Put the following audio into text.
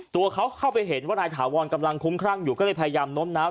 ตัวเขาเข้าไปเห็นว่านายถาวรกำลังคุ้มครั่งอยู่ก็เลยพยายามโน้มน้าว